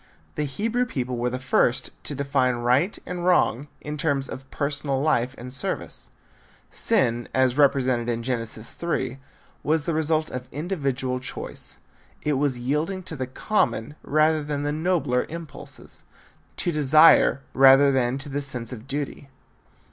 The Hebrew people were the first to define right and wrong in terms of personal life and service. Sin as represented in Genesis 3 was the result of individual choice. It was yielding to the common rather than the nobler impulses, to desire rather than to the sense of duty.